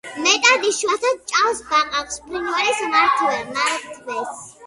მეტად იშვიათად ჭამს ბაყაყს, ფრინველის მართვეს.